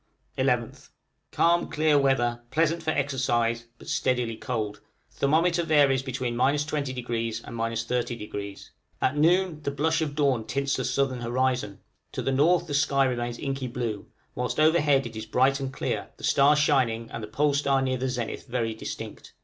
11th. Calm, clear weather, pleasant for exercise, but steadily cold; thermometer varies between 20° and 30°. At noon the blush of dawn tints the southern horizon, to the north the sky remains inky blue, whilst overhead it is bright and clear, the stars shining, and the pole star near the zenith very distinct.